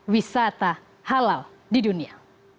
wisata halal di dunia